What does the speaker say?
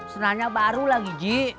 sendalnya baru lagi ji